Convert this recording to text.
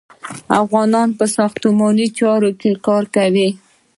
افغانان په ساختماني چارو کې کار کوي.